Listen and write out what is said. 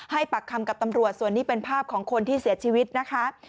ปากคำกับตำรวจส่วนนี้เป็นภาพของคนที่เสียชีวิตนะคะ